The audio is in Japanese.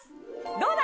どうだ！